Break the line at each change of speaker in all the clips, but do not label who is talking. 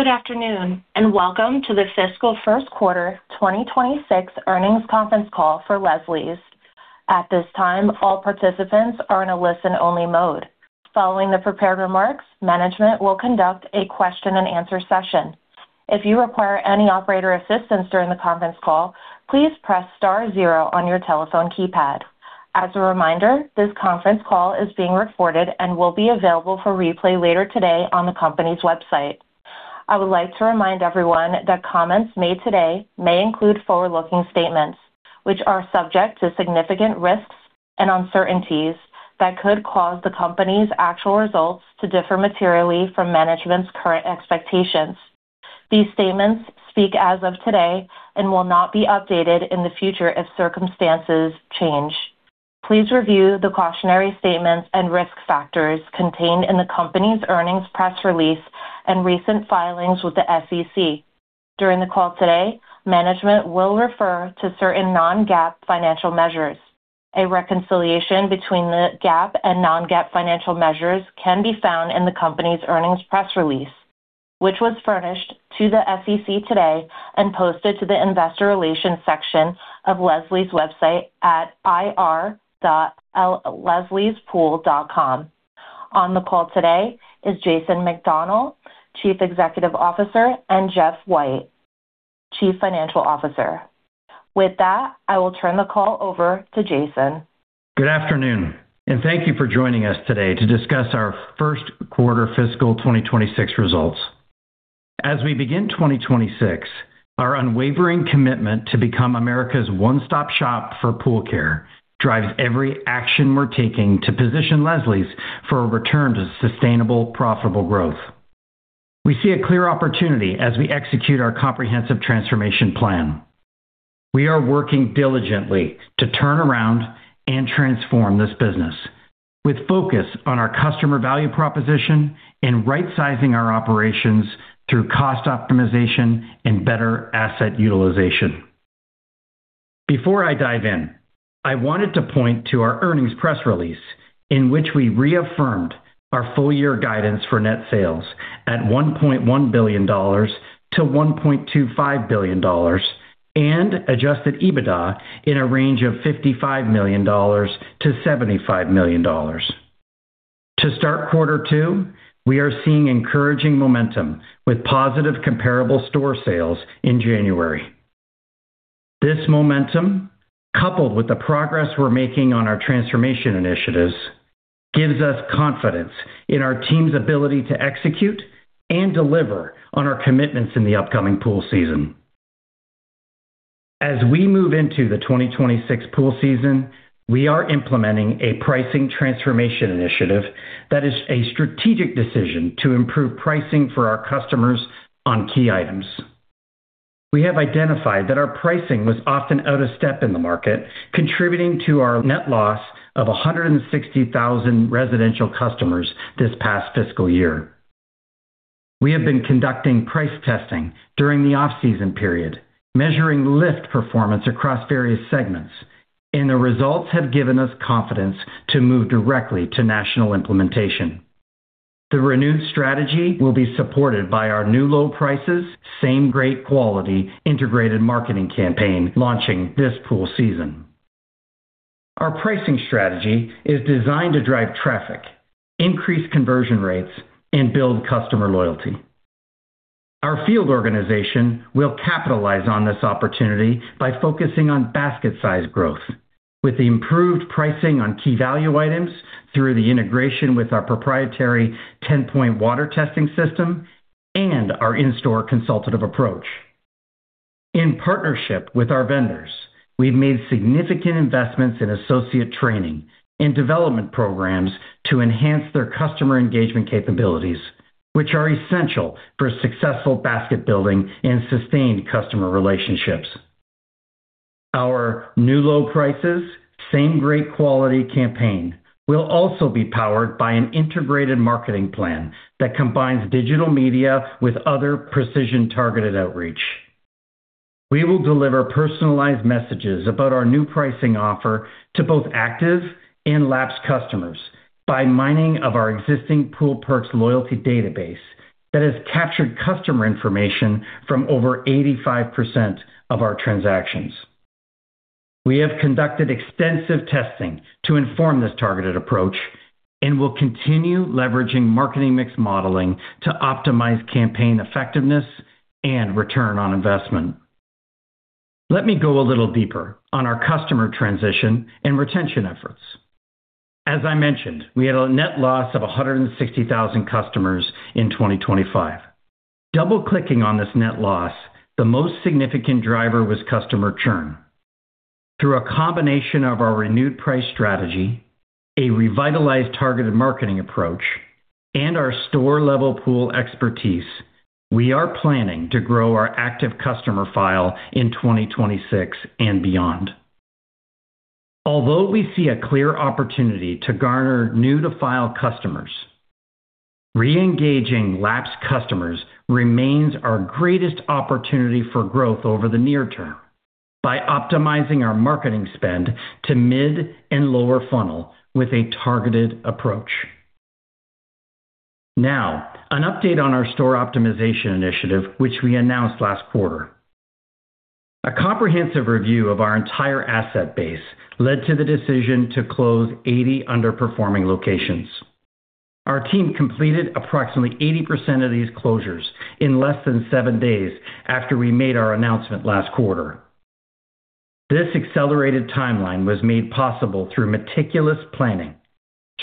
Good afternoon, and welcome to the fiscal first quarter 2026 earnings conference call for Leslie's. At this time, all participants are in a listen-only mode. Following the prepared remarks, management will conduct a question-and-answer session. If you require any operator assistance during the conference call, please press star zero on your telephone keypad. As a reminder, this conference call is being recorded and will be available for replay later today on the company's website. I would like to remind everyone that comments made today may include forward-looking statements, which are subject to significant risks and uncertainties that could cause the company's actual results to differ materially from management's current expectations. These statements speak as of today and will not be updated in the future if circumstances change. Please review the cautionary statements and risk factors contained in the company's earnings press release and recent filings with the SEC. During the call today, management will refer to certain non-GAAP financial measures. A reconciliation between the GAAP and non-GAAP financial measures can be found in the company's earnings press release, which was furnished to the SEC today and posted to the investor relations section of Leslie's website at ir.lesliespool.com. On the call today is Jason McDonell, Chief Executive Officer, and Jeff White, Chief Financial Officer. With that, I will turn the call over to Jason.
Good afternoon, and thank you for joining us today to discuss our first quarter fiscal 2026 results. As we begin 2026, our unwavering commitment to become America's one-stop shop for pool care drives every action we're taking to position Leslie's for a return to sustainable, profitable growth. We see a clear opportunity as we execute our comprehensive transformation plan. We are working diligently to turn around and transform this business with focus on our customer value proposition and rightsizing our operations through cost optimization and better asset utilization. Before I dive in, I wanted to point to our earnings press release, in which we reaffirmed our full-year guidance for net sales at $1.1 billion-$1.25 billion and Adjusted EBITDA in a range of $55 million-$75 million. To start quarter two, we are seeing encouraging momentum with positive comparable store sales in January. This momentum, coupled with the progress we're making on our transformation initiatives, gives us confidence in our team's ability to execute and deliver on our commitments in the upcoming pool season. As we move into the 2026 pool season, we are implementing a pricing transformation initiative that is a strategic decision to improve pricing for our customers on key items. We have identified that our pricing was often out of step in the market, contributing to our net loss of 160,000 residential customers this past fiscal year. We have been conducting price testing during the off-season period, measuring lift performance across various segments, and the results have given us confidence to move directly to national implementation. The renewed strategy will be supported by our New Low Prices, Same Great Quality integrated marketing campaign launching this pool season. Our pricing strategy is designed to drive traffic, increase conversion rates, and build customer loyalty. Our field organization will capitalize on this opportunity by focusing on basket size growth, with the improved pricing on key value items through the integration with our proprietary 10-point water testing system and our in-store consultative approach. In partnership with our vendors, we've made significant investments in associate training and development programs to enhance their customer engagement capabilities, which are essential for successful basket building and sustained customer relationships. Our New Low Prices, Same Great Quality campaign will also be powered by an integrated marketing plan that combines digital media with other precision targeted outreach. We will deliver personalized messages about our new pricing offer to both active and lapsed customers by mining of our existing Pool Perks loyalty database that has captured customer information from over 85% of our transactions. We have conducted extensive testing to inform this targeted approach and will continue leveraging marketing mix modeling to optimize campaign effectiveness and return on investment. Let me go a little deeper on our customer transition and retention efforts. As I mentioned, we had a net loss of 160,000 customers in 2025. Double-clicking on this net loss, the most significant driver was customer churn. Through a combination of our renewed price strategy, a revitalized targeted marketing approach, and our store-level pool expertise, we are planning to grow our active customer file in 2026 and beyond. Although we see a clear opportunity to garner new-to-file customers, re-engaging lapsed customers remains our greatest opportunity for growth over the near term. By optimizing our marketing spend to mid and lower funnel with a targeted approach. Now, an update on our store optimization initiative, which we announced last quarter. A comprehensive review of our entire asset base led to the decision to close 80 underperforming locations. Our team completed approximately 80% of these closures in less than seven days after we made our announcement last quarter. This accelerated timeline was made possible through meticulous planning,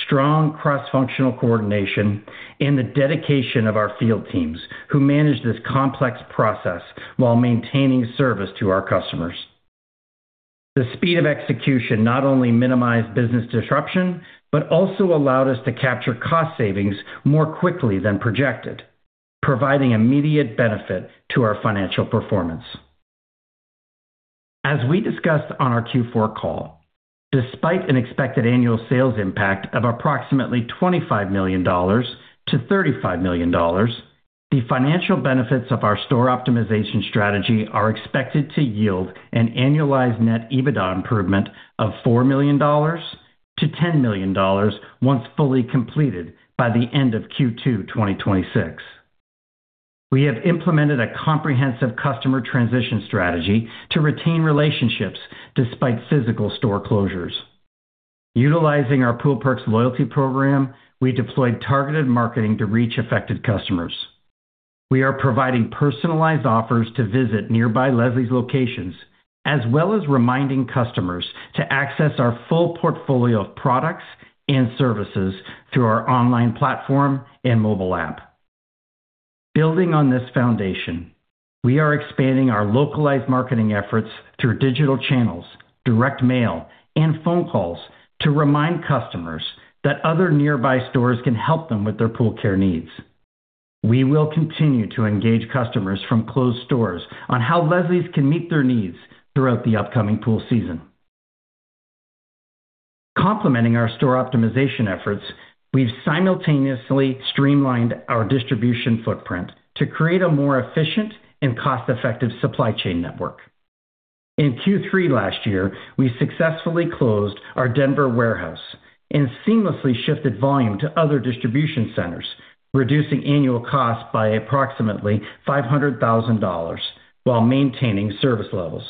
strong cross-functional coordination, and the dedication of our field teams, who managed this complex process while maintaining service to our customers. The speed of execution not only minimized business disruption, but also allowed us to capture cost savings more quickly than projected, providing immediate benefit to our financial performance. As we discussed on our Q4 call, despite an expected annual sales impact of approximately $25 million-$35 million, the financial benefits of our store optimization strategy are expected to yield an annualized net EBITDA improvement of $4 million-$10 million once fully completed by the end of Q2 2026. We have implemented a comprehensive customer transition strategy to retain relationships despite physical store closures. Utilizing our Pool Perks loyalty program, we deployed targeted marketing to reach affected customers. We are providing personalized offers to visit nearby Leslie's locations, as well as reminding customers to access our full portfolio of products and services through our online platform and mobile app. Building on this foundation, we are expanding our localized marketing efforts through digital channels, direct mail, and phone calls to remind customers that other nearby stores can help them with their pool care needs. We will continue to engage customers from closed stores on how Leslie's can meet their needs throughout the upcoming pool season. Complementing our store optimization efforts, we've simultaneously streamlined our distribution footprint to create a more efficient and cost-effective supply chain network. In Q3 last year, we successfully closed our Denver warehouse and seamlessly shifted volume to other distribution centers, reducing annual costs by approximately $500,000 while maintaining service levels.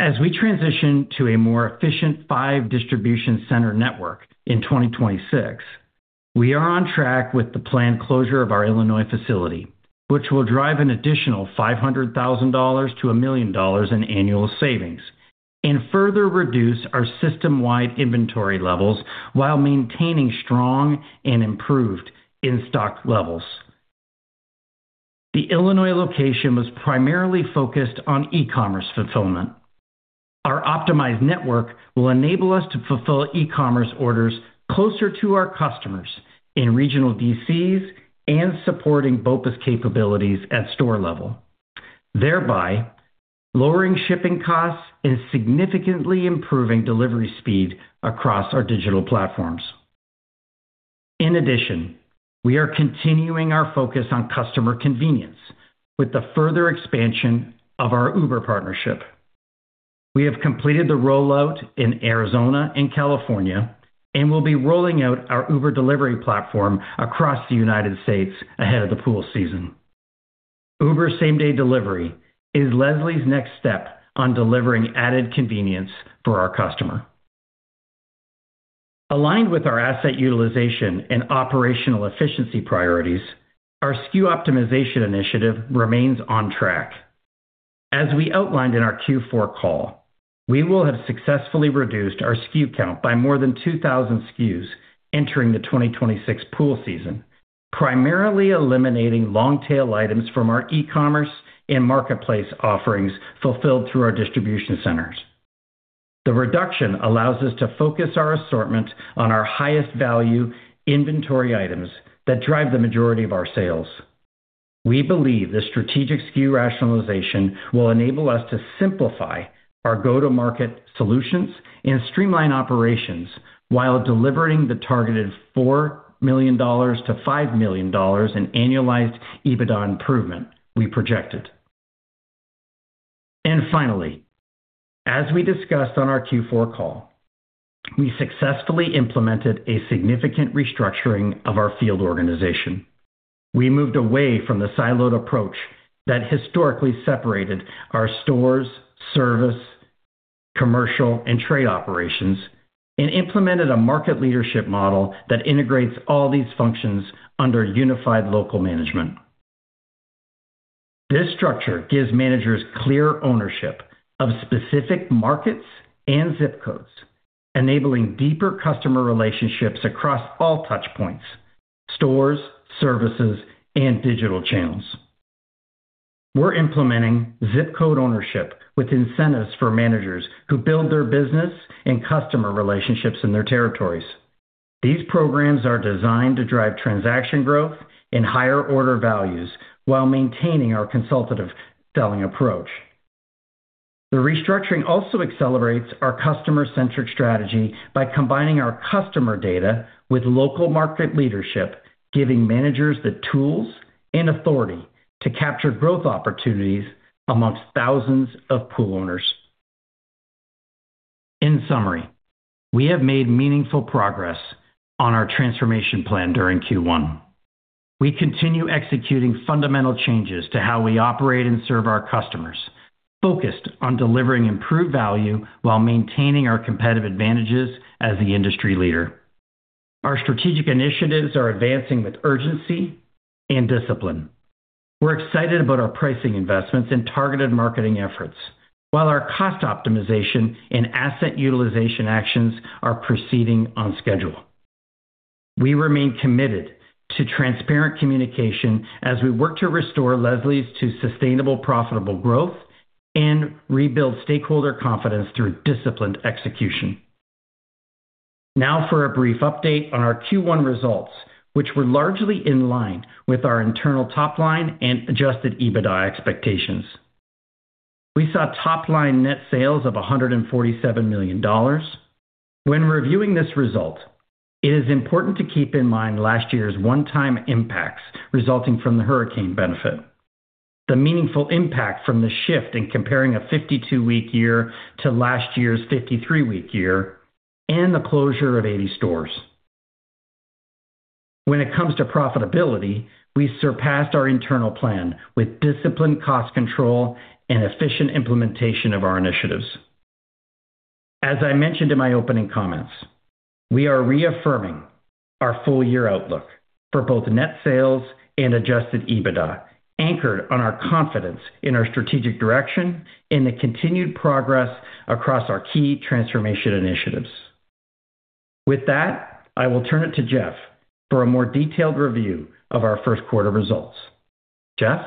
As we transition to a more efficient five distribution center network in 2026, we are on track with the planned closure of our Illinois facility, which will drive an additional $500,000-$1 million in annual savings and further reduce our system-wide inventory levels while maintaining strong and improved in-stock levels. The Illinois location was primarily focused on e-commerce fulfillment. Our optimized network will enable us to fulfill e-commerce orders closer to our customers in regional DCs and supporting BOPUS capabilities at store level, thereby lowering shipping costs and significantly improving delivery speed across our digital platforms. In addition, we are continuing our focus on customer convenience with the further expansion of our Uber partnership. We have completed the rollout in Arizona and California, and we'll be rolling out our Uber Delivery platform across the United States ahead of the pool season. Uber same-day delivery is Leslie's next step on delivering added convenience for our customer. Aligned with our asset utilization and operational efficiency priorities, our SKU optimization initiative remains on track. As we outlined in our Q4 call, we will have successfully reduced our SKU count by more than 2,000 SKUs entering the 2026 pool season, primarily eliminating long-tail items from our e-commerce and marketplace offerings fulfilled through our distribution centers. The reduction allows us to focus our assortment on our highest-value inventory items that drive the majority of our sales. We believe this strategic SKU rationalization will enable us to simplify our go-to-market solutions and streamline operations while delivering the targeted $4 million-$5 million in annualized EBITDA improvement we projected. And finally, as we discussed on our Q4 call, we successfully implemented a significant restructuring of our field organization. We moved away from the siloed approach that historically separated our stores, service, commercial, and trade operations and implemented a market leadership model that integrates all these functions under unified local management. This structure gives managers clear ownership of specific markets and ZIP codes, enabling deeper customer relationships across all touchpoints, stores, services, and digital channels. We're implementing ZIP code ownership with incentives for managers who build their business and customer relationships in their territories. These programs are designed to drive transaction growth and higher order values while maintaining our consultative selling approach. The restructuring also accelerates our customer-centric strategy by combining our customer data with local market leadership, giving managers the tools and authority to capture growth opportunities amongst thousands of pool owners. In summary, we have made meaningful progress on our transformation plan during Q1. We continue executing fundamental changes to how we operate and serve our customers, focused on delivering improved value while maintaining our competitive advantages as the industry leader. Our strategic initiatives are advancing with urgency and discipline. We're excited about our pricing investments and targeted marketing efforts, while our cost optimization and asset utilization actions are proceeding on schedule. We remain committed to transparent communication as we work to restore Leslie's to sustainable, profitable growth and rebuild stakeholder confidence through disciplined execution. Now for a brief update on our Q1 results, which were largely in line with our internal top line and Adjusted EBITDA expectations. We saw top line net sales of $147 million. When reviewing this result, it is important to keep in mind last year's one-time impacts resulting from the hurricane benefit, the meaningful impact from the shift in comparing a 52-week year to last year's 53-week year, and the closure of 80 stores. When it comes to profitability, we surpassed our internal plan with disciplined cost control and efficient implementation of our initiatives. As I mentioned in my opening comments, we are reaffirming our full-year outlook for both net sales and Adjusted EBITDA, anchored on our confidence in our strategic direction and the continued progress across our key transformation initiatives. With that, I will turn it to Jeff for a more detailed review of our first quarter results. Jeff?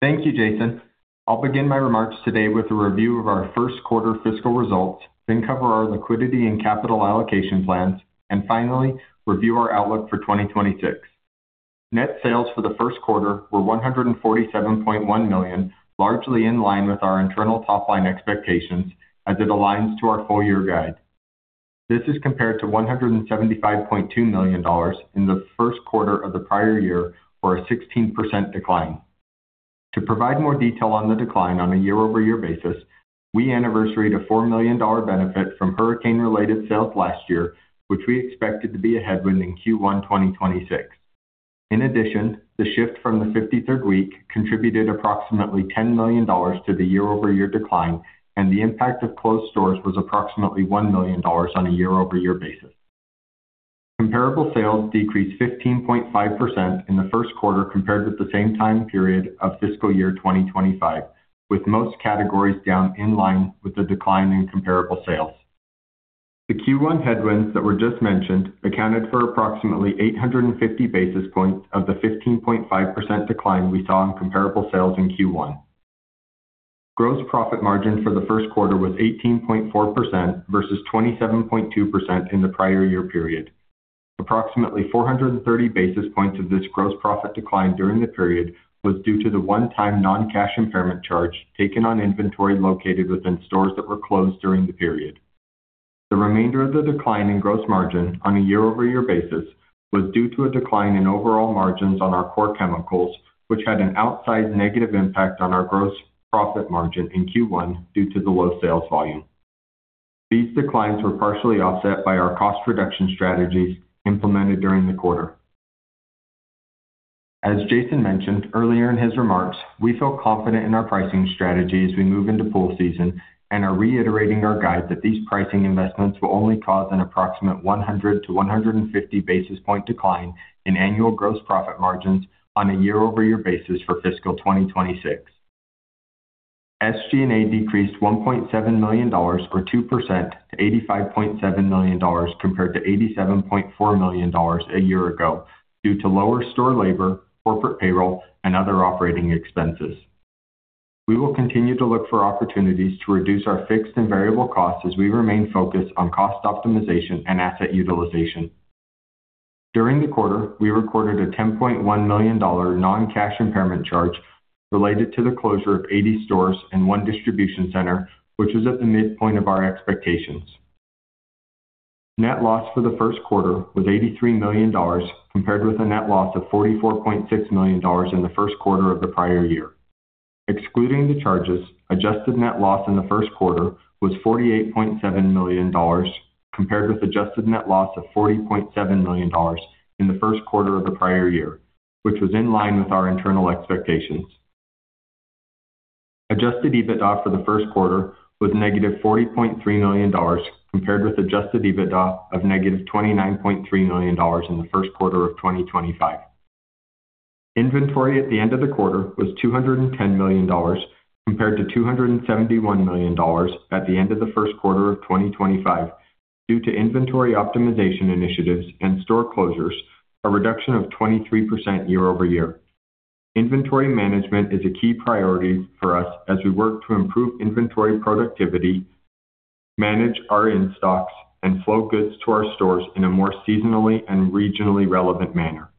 Thank you, Jason. I'll begin my remarks today with a review of our first quarter fiscal results, then cover our liquidity and capital allocation plans, and finally, review our outlook for 2026. Net sales for the first quarter were $147.1 million, largely in line with our internal top-line expectations as it aligns to our full-year guide. This is compared to $175.2 million in the first quarter of the prior year, or a 16% decline. To provide more detail on the decline on a year-over-year basis, we anniversaried a $4 million benefit from hurricane-related sales last year, which we expected to be a headwind in Q1 2026. In addition, the shift from the 53rd week contributed approximately $10 million to the year-over-year decline, and the impact of closed stores was approximately $1 million on a year-over-year basis. Comparable sales decreased 15.5% in the first quarter compared with the same time period of fiscal year 2025, with most categories down in line with the decline in comparable sales. The Q1 headwinds that were just mentioned accounted for approximately 850 basis points of the 15.5% decline we saw in comparable sales in Q1. Gross profit margin for the first quarter was 18.4% versus 27.2% in the prior year period. Approximately 430 basis points of this gross profit decline during the period was due to the one-time non-cash impairment charge taken on inventory located within stores that were closed during the period. The remainder of the decline in gross margin on a year-over-year basis was due to a decline in overall margins on our core chemicals, which had an outsized negative impact on our gross profit margin in Q1 due to the low sales volume. These declines were partially offset by our cost reduction strategies implemented during the quarter. As Jason mentioned earlier in his remarks, we feel confident in our pricing strategy as we move into pool season and are reiterating our guide that these pricing investments will only cause an approximate 100-150 basis point decline in annual gross profit margins on a year-over-year basis for fiscal 2026. SG&A decreased $1.7 million or 2% to $85.7 million, compared to $87.4 million a year ago, due to lower store labor, corporate payroll, and other operating expenses. We will continue to look for opportunities to reduce our fixed and variable costs as we remain focused on cost optimization and asset utilization. During the quarter, we recorded a $10.1 million non-cash impairment charge related to the closure of 80 stores and one distribution center, which was at the midpoint of our expectations. Net loss for the first quarter was $83 million, compared with a net loss of $44.6 million in the first quarter of the prior year. Excluding the charges, adjusted net loss in the first quarter was $48.7 million, compared with adjusted net loss of $40.7 million in the first quarter of the prior year, which was in line with our internal expectations. Adjusted EBITDA for the first quarter was negative $40.3 million, compared with Adjusted EBITDA of negative $29.3 million in the first quarter of 2025. Inventory at the end of the quarter was $210 million, compared to $271 million at the end of the first quarter of 2025, due to inventory optimization initiatives and store closures, a reduction of 23% year-over-year. Inventory management is a key priority for us as we work to improve inventory productivity manage our in-stocks and flow goods to our stores in a more seasonally and regionally relevant manner.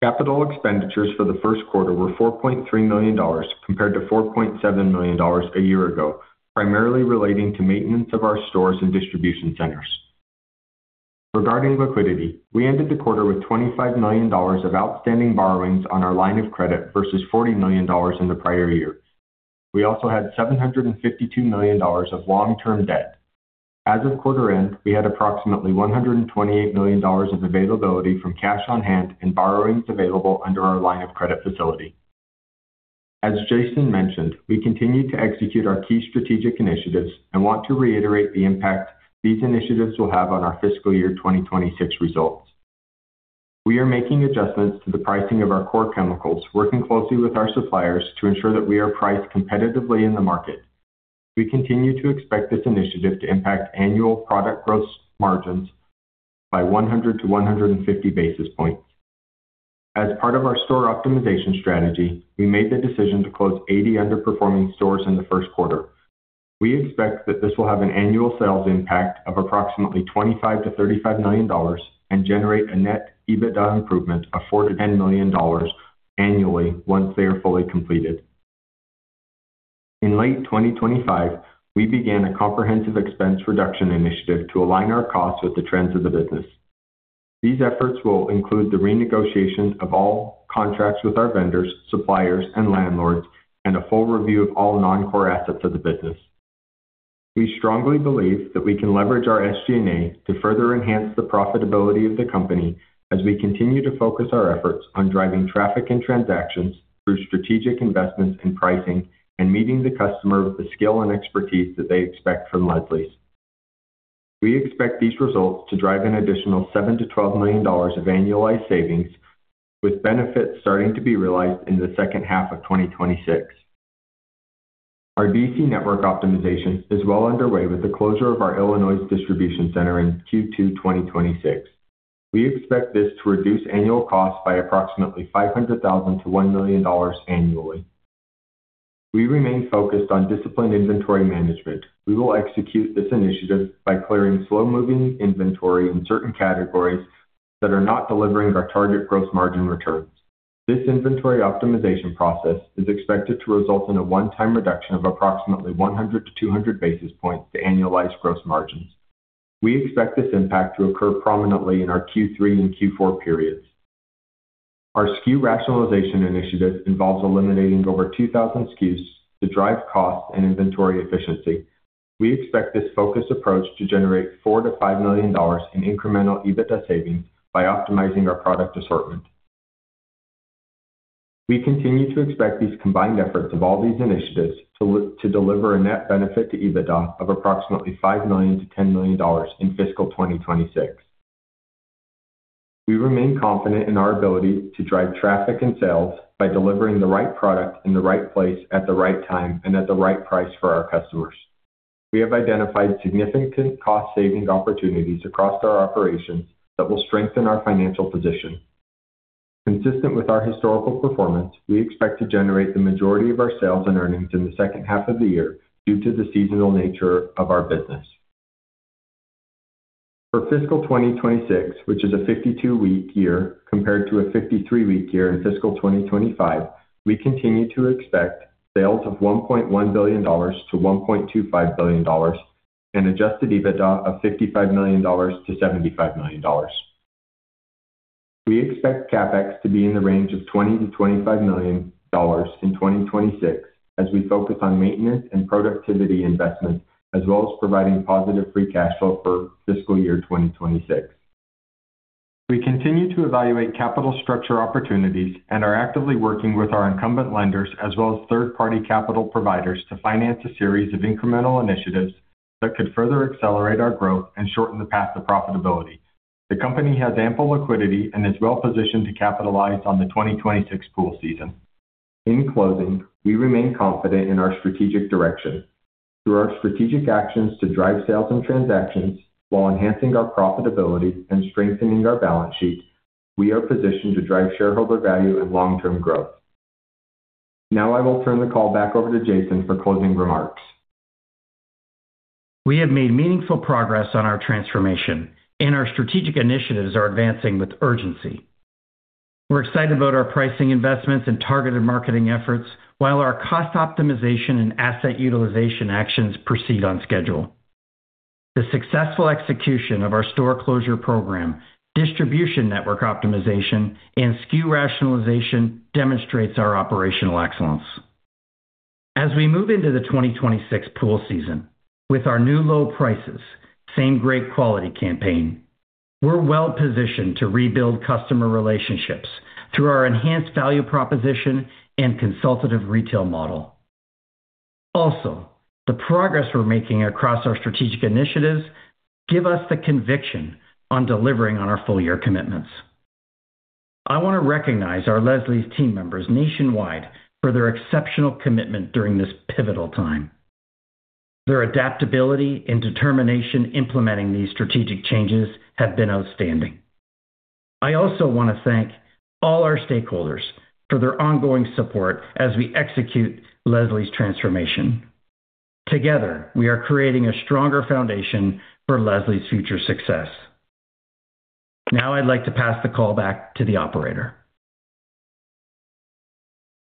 Capital expenditures for the first quarter were $4.3 million, compared to $4.7 million a year ago, primarily relating to maintenance of our stores and distribution centers. Regarding liquidity, we ended the quarter with $25 million of outstanding borrowings on our line of credit versus $40 million in the prior year. We also had $752 million of long-term debt. As of quarter end, we had approximately $128 million of availability from cash on hand and borrowings available under our line of credit facility. As Jason mentioned, we continue to execute our key strategic initiatives and want to reiterate the impact these initiatives will have on our fiscal year 2026 results. We are making adjustments to the pricing of our core chemicals, working closely with our suppliers to ensure that we are priced competitively in the market. We continue to expect this initiative to impact annual product gross margins by 100-150 basis points. As part of our store optimization strategy, we made the decision to close 80 underperforming stores in the first quarter. We expect that this will have an annual sales impact of approximately $25 million-$35 million and generate a net EBITDA improvement of $4 million-$10 million annually once they are fully completed. In late 2025, we began a comprehensive expense reduction initiative to align our costs with the trends of the business. These efforts will include the renegotiation of all contracts with our vendors, suppliers and landlords, and a full review of all non-core assets of the business. We strongly believe that we can leverage our SG&A to further enhance the profitability of the company as we continue to focus our efforts on driving traffic and transactions through strategic investments in pricing and meeting the customer with the skill and expertise that they expect from Leslie's. We expect these results to drive an additional $7 million-$12 million of annualized savings, with benefits starting to be realized in the second half of 2026. Our DC network optimization is well underway with the closure of our Illinois distribution center in Q2 2026. We expect this to reduce annual costs by approximately $500,000-$1 million annually. We remain focused on disciplined inventory management. We will execute this initiative by clearing slow-moving inventory in certain categories that are not delivering our target gross margin returns. This inventory optimization process is expected to result in a one-time reduction of approximately 100-200 basis points to annualized gross margins. We expect this impact to occur prominently in our Q3 and Q4 periods. Our SKU rationalization initiative involves eliminating over 2,000 SKUs to drive costs and inventory efficiency. We expect this focused approach to generate $4 million-$5 million in incremental EBITDA savings by optimizing our product assortment. We continue to expect these combined efforts of all these initiatives to deliver a net benefit to EBITDA of approximately $5 million-$10 million in fiscal 2026. We remain confident in our ability to drive traffic and sales by delivering the right product in the right place, at the right time and at the right price for our customers. We have identified significant cost-saving opportunities across our operations that will strengthen our financial position. Consistent with our historical performance, we expect to generate the majority of our sales and earnings in the second half of the year due to the seasonal nature of our business. For fiscal 2026, which is a 52-week year compared to a 53-week year in fiscal 2025, we continue to expect sales of $1.1 billion-$1.25 billion, an Adjusted EBITDA of $55 million-$75 million. We expect CapEx to be in the range of $20 million-$25 million in 2026 as we focus on maintenance and productivity investments, as well as providing positive free cash flow for fiscal year 2026. We continue to evaluate capital structure opportunities and are actively working with our incumbent lenders as well as third-party capital providers, to finance a series of incremental initiatives that could further accelerate our growth and shorten the path to profitability. The company has ample liquidity and is well positioned to capitalize on the 2026 pool season. In closing, we remain confident in our strategic direction. Through our strategic actions to drive sales and transactions while enhancing our profitability and strengthening our balance sheet, we are positioned to drive shareholder value and long-term growth. Now, I will turn the call back over to Jason for closing remarks.
We have made meaningful progress on our transformation, and our strategic initiatives are advancing with urgency. We're excited about our pricing investments and targeted marketing efforts, while our cost optimization and asset utilization actions proceed on schedule. The successful execution of our store closure program, distribution network optimization, and SKU rationalization demonstrates our operational excellence. As we move into the 2026 pool season with our New Low Prices, Same Great Quality campaign, we're well positioned to rebuild customer relationships through our enhanced value proposition and consultative retail model. Also, the progress we're making across our strategic initiatives give us the conviction on delivering on our full year commitments. I want to recognize our Leslie's team members nationwide for their exceptional commitment during this pivotal time. Their adaptability and determination implementing these strategic changes have been outstanding. I also want to thank all our stakeholders for their ongoing support as we execute Leslie's transformation. Together, we are creating a stronger foundation for Leslie's future success. Now I'd like to pass the call back to the operator.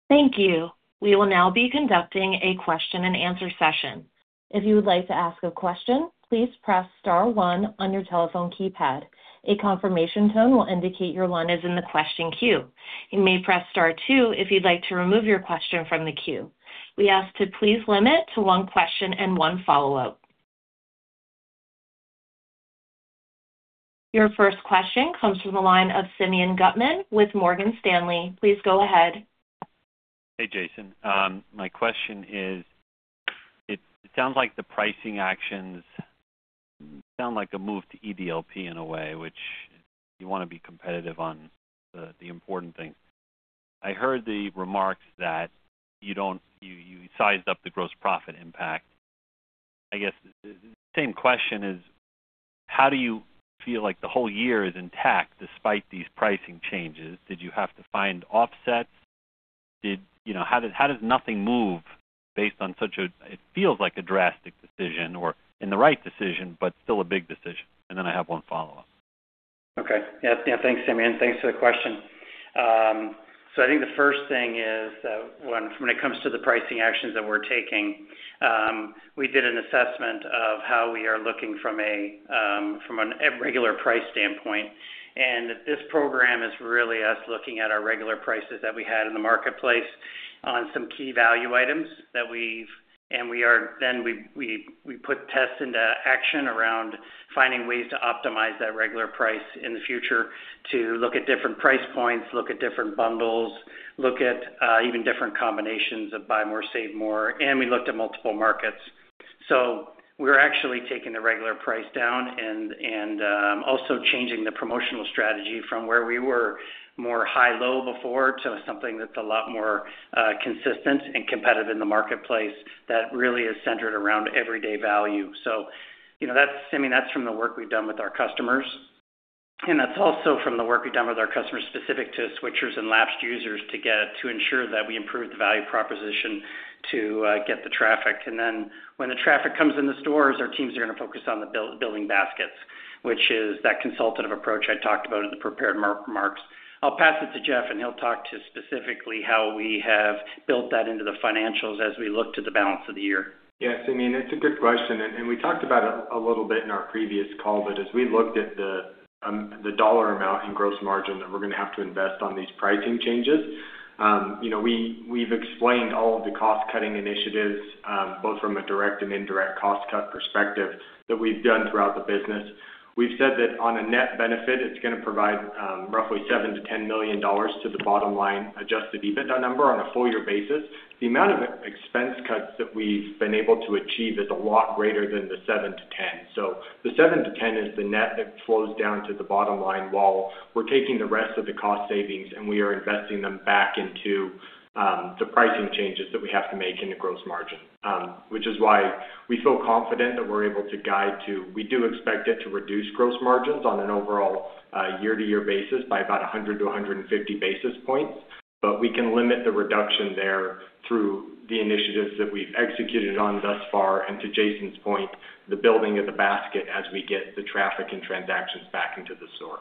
Thank you. We will now be conducting a question-and-answer session. If you would like to ask a question, please press star one on your telephone keypad. A confirmation tone will indicate your line is in the question queue. You may press star two if you'd like to remove your question from the queue. We ask to please limit to one question and one follow-up. Your first question comes from the line of Simeon Gutman with Morgan Stanley. Please go ahead.
Hey, Jason. My question is, it sounds like the pricing actions sound like a move to EDLP in a way, which you want to be competitive on the, the important things. I heard the remarks that you sized up the gross profit impact. I guess, the same question is, how do you feel like the whole year is intact despite these pricing changes? Did you have to find offsets? You know, how does, how does nothing move based on such a, it feels like a drastic decision or, and the right decision, but still a big decision. And then I have one follow-up.
Okay. Yeah, yeah. Thanks, Simeon. Thanks for the question. So I think the first thing is, when it comes to the pricing actions that we're taking, we did an assessment of how we are looking from a regular price standpoint. And this program is really us looking at our regular prices that we had in the marketplace on some key value items then we put tests into action around finding ways to optimize that regular price in the future to look at different price points, look at different bundles, look at even different combinations of buy more, save more, and we looked at multiple markets. So we're actually taking the regular price down and also changing the promotional strategy from where we were more high, low before to something that's a lot more consistent and competitive in the marketplace that really is centered around everyday value. So you know, that's, I mean, that's from the work we've done with our customers, and that's also from the work we've done with our customers, specific to switchers and lapsed users, to get to ensure that we improve the value proposition to get the traffic. And then when the traffic comes in the stores, our teams are going to focus on the building baskets, which is that consultative approach I talked about in the prepared remarks. I'll pass it to Jeff, and he'll talk to specifically how we have built that into the financials as we look to the balance of the year.
Yes, I mean, it's a good question, and we talked about it a little bit in our previous call. But as we looked at the dollar amount in gross margin that we're going to have to invest on these pricing changes, you know, we, we've explained all of the cost-cutting initiatives, both from a direct and indirect cost cut perspective, that we've done throughout the business. We've said that on a net benefit, it's going to provide, roughly $7 million-$10 million to the bottom line, Adjusted EBITDA number on a full year basis. The amount of expense cuts that we've been able to achieve is a lot greater than the $7 million-$10 million. The $7 million-$10 million is the net that flows down to the bottom line, while we're taking the rest of the cost savings, and we are investing them back into the pricing changes that we have to make in the gross margin. Which is why we feel confident that we're able to guide to... We do expect it to reduce gross margins on an overall year-to-year basis by about 100-150 basis points, but we can limit the reduction there through the initiatives that we've executed on thus far. To Jason's point, the building of the basket as we get the traffic and transactions back into the store.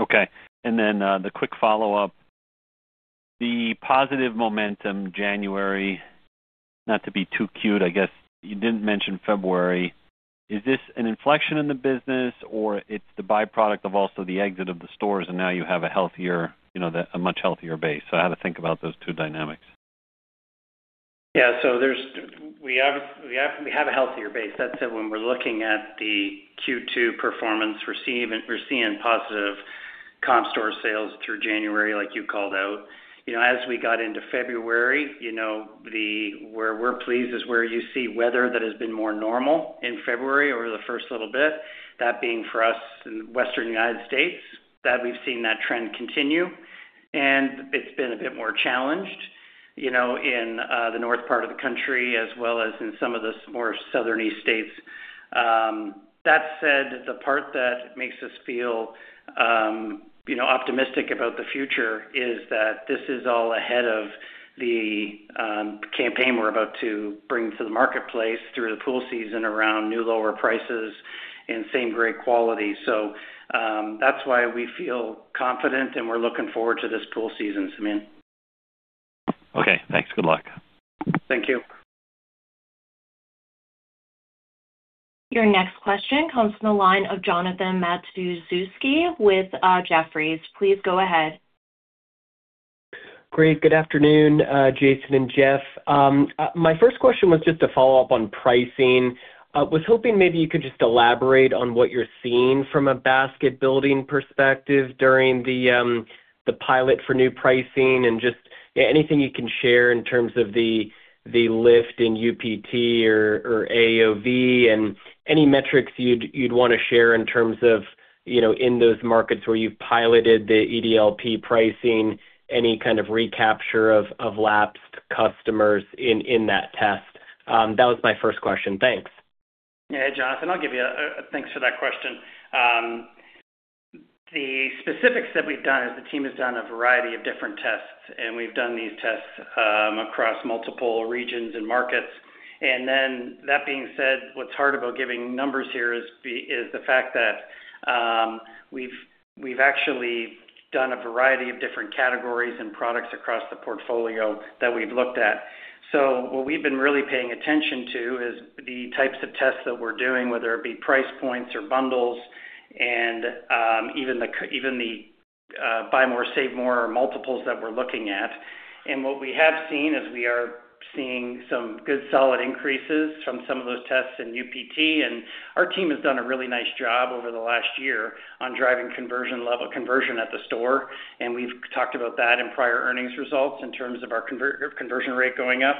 Okay. Then, the quick follow-up, the positive momentum, January. Not to be too cute, I guess you didn't mention February. Is this an inflection in the business, or it's the byproduct of also the exit of the stores and now you have a healthier, you know, a much healthier base? So how to think about those two dynamics?
Yeah, so we have, we have, we have a healthier base. That said, when we're looking at the Q2 performance, we're seeing, we're seeing positive comp store sales through January, like you called out. You know, as we got into February, you know, where we're pleased is where you see weather that has been more normal in February over the first little bit. That being for us, in the western United States, that we've seen that trend continue. And it's been a bit more challenged, you know, in the north part of the country as well as in some of the more southern East states. That said, the part that makes us feel, you know, optimistic about the future is that this is all ahead of the campaign we're about to bring to the marketplace through the pool season around new, lower prices and same great quality. So, that's why we feel confident, and we're looking forward to this pool season, Simeon.
Okay, thanks. Good luck.
Thank you.
Your next question comes from the line of Jonathan Matuszewski with Jefferies. Please go ahead.
Great. Good afternoon, Jason and Jeff. My first question was just a follow-up on pricing. Was hoping maybe you could just elaborate on what you're seeing from a basket-building perspective during the pilot for new pricing, and just, yeah, anything you can share in terms of the lift in UPT or AOV and any metrics you'd want to share in terms of, you know, in those markets where you've piloted the EDLP pricing, any kind of recapture of lapsed customers in that test? That was my first question. Thanks.
Yeah, Jonathan, I'll give you, thanks for that question. The specifics that we've done is the team has done a variety of different tests, and we've done these tests across multiple regions and markets. And then that being said, what's hard about giving numbers here is the fact that we've actually done a variety of different categories and products across the portfolio that we've looked at. So what we've been really paying attention to is the types of tests that we're doing, whether it be price points or bundles, and even the buy more, save more multiples that we're looking at. And what we have seen is we are seeing some good, solid increases from some of those tests in UPT. Our team has done a really nice job over the last year on driving conversion level, conversion at the store, and we've talked about that in prior earnings results in terms of our conversion rate going up.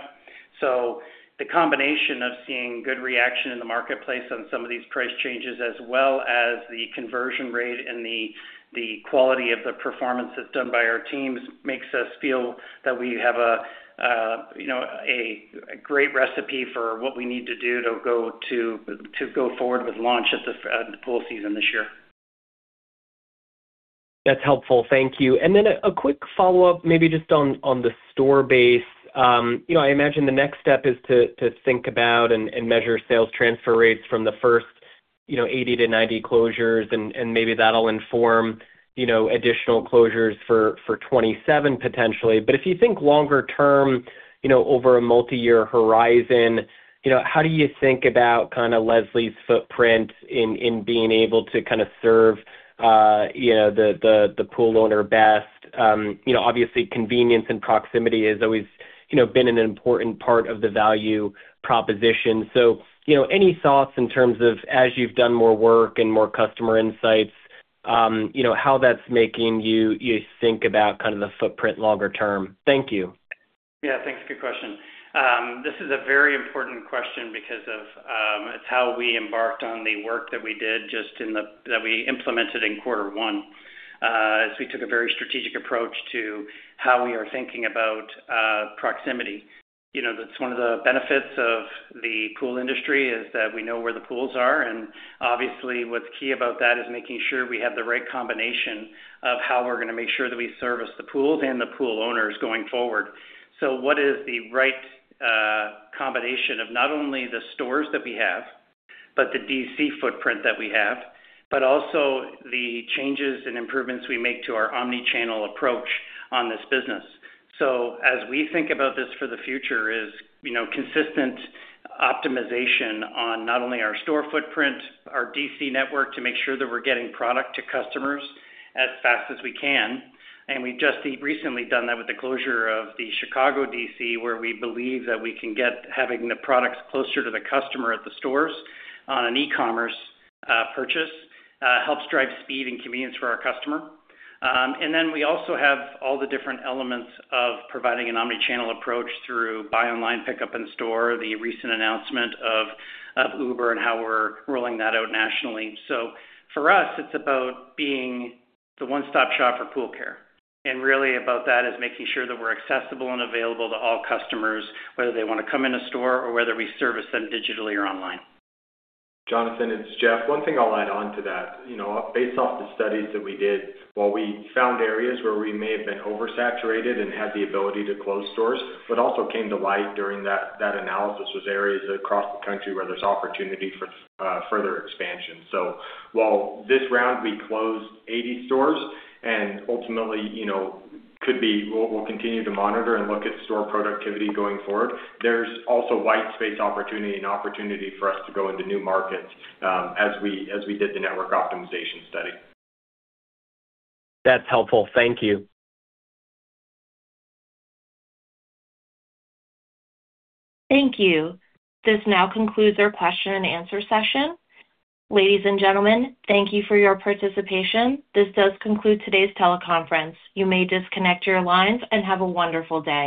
The combination of seeing good reaction in the marketplace on some of these price changes, as well as the conversion rate and the quality of the performance that's done by our teams, makes us feel that we have a, you know, a great recipe for what we need to do to go forward with launch at the pool season this year.
That's helpful. Thank you. And then a quick follow-up, maybe just on the store base. You know, I imagine the next step is to think about and measure sales transfer rates from the first, you know, 80-90 closures, and maybe that'll inform, you know, additional closures for 2027, potentially. But if you think longer term, you know, over a multiyear horizon, you know, how do you think about kinda Leslie's footprint in being able to kind of serve, you know, the pool owner best? You know, obviously, convenience and proximity has always, you know, been an important part of the value proposition. So, you know, any thoughts in terms of, as you've done more work and more customer insights, you know, how that's making you think about kind of the footprint longer term? Thank you.
Yeah, thanks. Good question. This is a very important question because of, it's how we embarked on the work that we did just in the-- that we implemented in quarter one, as we took a very strategic approach to how we are thinking about, proximity. You know, that's one of the benefits of the pool industry, is that we know where the pools are, and obviously, what's key about that is making sure we have the right combination of how we're gonna make sure that we service the pools and the pool owners going forward. So what is the right, combination of not only the stores that we have, but the DC footprint that we have, but also the changes and improvements we make to our omni-channel approach on this business? So as we think about this for the future is, you know, consistent optimization on not only our store footprint, our DC network, to make sure that we're getting product to customers as fast as we can. And we've just recently done that with the closure of the Chicago DC, where we believe that we can get having the products closer to the customer at the stores on an e-commerce purchase helps drive speed and convenience for our customer. And then we also have all the different elements of providing an omni-channel approach through buy online, pickup in store, the recent announcement of Uber and how we're rolling that out nationally. So for us, it's about being the one-stop shop for pool care, and really about that is making sure that we're accessible and available to all customers, whether they want to come in a store or whether we service them digitally or online.
Jonathan, it's Jeff. One thing I'll add on to that. You know, based off the studies that we did, while we found areas where we may have been oversaturated and had the ability to close stores, what also came to light during that analysis was areas across the country where there's opportunity for further expansion. So while this round, we closed 80 stores, and ultimately, you know, could be. We'll continue to monitor and look at store productivity going forward. There's also white space opportunity and opportunity for us to go into new markets, as we did the network optimization study.
That's helpful. Thank you.
Thank you. This now concludes our question and answer session. Ladies and gentlemen, thank you for your participation. This does conclude today's teleconference. You may disconnect your lines, and have a wonderful day.